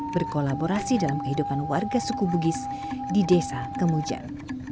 berkolaborasi dalam kehidupan warga suku bugis di desa kemujan